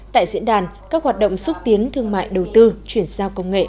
tại diễn đàn các hoạt động xúc tiến thương mại đầu tư chuyển giao công nghệ